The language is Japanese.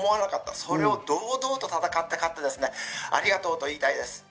それを堂々と戦って勝って、ありがとうと言いたいです。